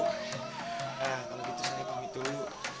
kalau gitu saya pamit dulu ibu